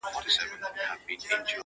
• ده ویله نه طالب یم نه ویلی مي مکتب دی..